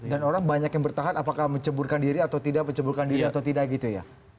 dan orang banyak yang bertahan apakah menceburkan diri atau tidak menceburkan diri atau tidak gitu ya